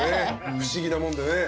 不思議なもんで。